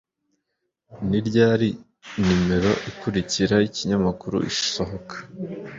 Ni ryari nimero ikurikira yikinyamakuru isohoka